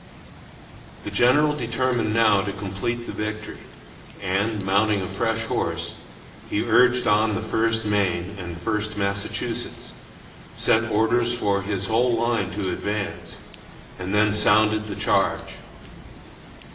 "The general determined now to complete the victory, and, mounting a fresh horse, he urged on the First Maine and First Massachusetts, sent orders for his whole line to advance, and then sounded the charge.